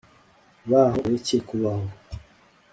baho ureke kubaho